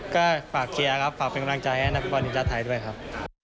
ก็ฝากเชียร์ครับฝากเป็นกำลังใจให้นักบอลทีมชาติไทยด้วยครับ